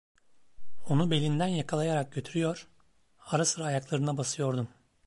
Onu belinden yakalayarak götürüyor, ara sıra ayaklarına basıyordum.